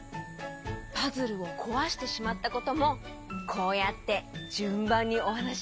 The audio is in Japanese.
パズルをこわしてしまったこともこうやってじゅんばんにおはなしできる？